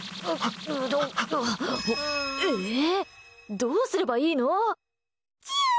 どうすればいいの？